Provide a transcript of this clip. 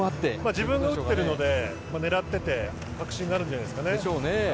自分が打っているので狙ってて確信があるんじゃないですかね。